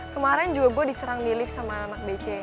kemaren juga gue diserang di lift sama anak anak bc